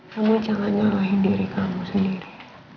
kamu jangan nyalahin diri kamu sendiri